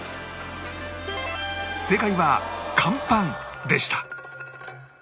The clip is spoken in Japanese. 正解は乾パンでした